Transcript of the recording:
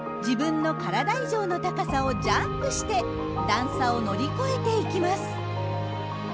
自分の体以上の高さをジャンプして段差を乗り越えていきます。